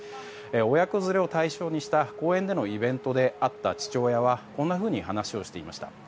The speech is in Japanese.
親子連れを対象にした公園でのイベントで会った父親はこんなふうに話をしていました。